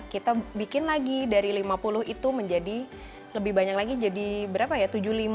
kita bikin lagi dari lima puluh itu menjadi lebih banyak lagi jadi berapa ya